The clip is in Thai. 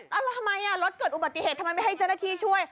แล้วทำไมรถเกิดอุบัติเหตุทำไมไม่ให้เจ้าหน้าที่ช่วย